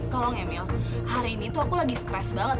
tolong ya mil hari ini aku lagi stres banget